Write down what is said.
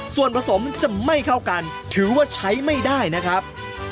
ส่วนผสมจะไม่เข้ากันถือว่าใช้ไม่ได้นะครับ